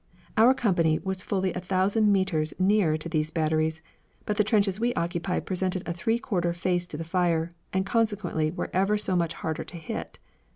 Our company was fully a thousand metres nearer to these batteries, but the trenches we occupied presented a three quarter face to the fire, and consequently were ever so much harder to hit.